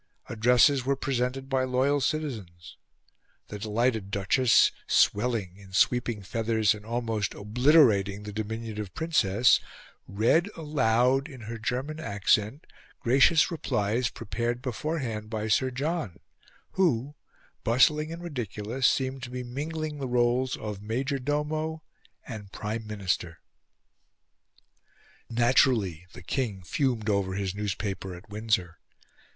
Addresses were presented by loyal citizens, the delighted Duchess, swelling in sweeping feathers and almost obliterating the diminutive Princess, read aloud, in her German accent, gracious replies prepared beforehand by Sir John, who, bustling and ridiculous, seemed to be mingling the roles of major domo and Prime Minister. Naturally the King fumed over his newspaper at Windsor.